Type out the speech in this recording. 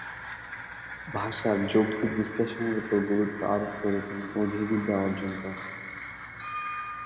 ভাষার যৌক্তিক বিশ্লেষণের উপর গুরুত্ব আরোপ করে তিনি অধিবিদ্যা বর্জন করেন।